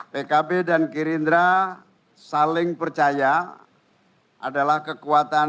pkb dan gerindra saling percaya adalah kekuatan